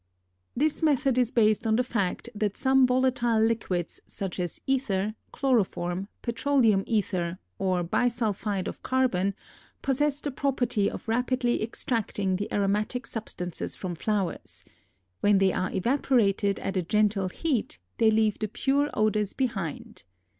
This method is based on the fact that some volatile liquids such as ether, chloroform, petroleum ether, or bisulphide of carbon possess the property of rapidly extracting the aromatic substances from flowers; when they are evaporated at a gentle heat they leave the pure odors behind.